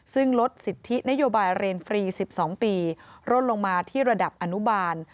ซึ่งลดสิทธินโยบายเรียนฟรี๑๒ปีลดลงมาที่ระดับอนุบาล